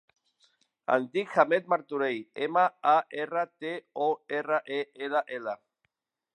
Em dic Ahmed Martorell: ema, a, erra, te, o, erra, e, ela, ela.